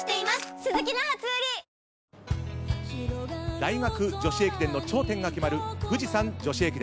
大学女子駅伝の頂点が決まる富士山女子駅伝。